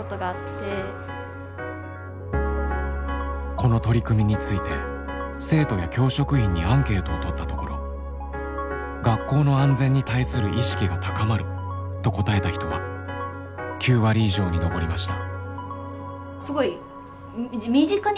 この取り組みについて生徒や教職員にアンケートを取ったところ「学校の安全に対する意識が高まる」と答えた人は９割以上に上りました。